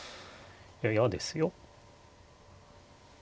いや嫌ですよ。